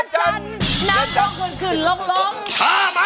แกจะรู้ว่า